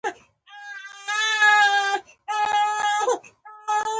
که تاسو فکر کوئ ډېر واړه یاست چې بدلون وکړئ.